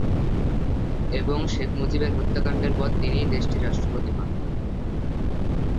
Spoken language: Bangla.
এবং শেখ মুজিবের হত্যাকান্ডের পর তিনিই দেশটির রাষ্ট্রপতি হন।